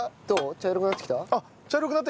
茶色くなってきましたね。